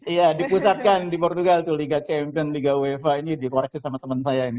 iya dipusatkan di portugal tuh liga champion liga uefa ini dikoreksi sama teman saya ini